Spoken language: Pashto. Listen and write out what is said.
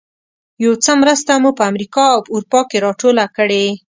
یو څه مرسته مو په امریکا او اروپا کې راټوله کړې.